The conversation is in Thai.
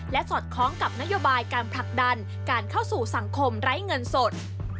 สอดคล้องกับนโยบายการผลักดันการเข้าสู่สังคมไร้เงินสด